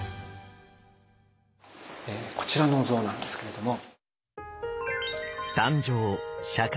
こちらのお像なんですけれども。